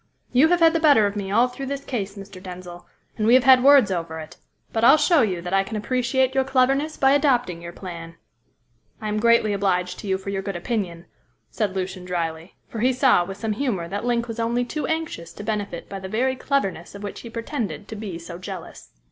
You have had the better of me all through this case, Mr. Denzil, and we have had words over it; but I'll show you that I can appreciate your cleverness by adopting your plan." "I am greatly obliged to you for your good opinion," said Lucian drily, for he saw with some humour that Link was only too anxious to benefit by the very cleverness of which he pretended to be so jealous.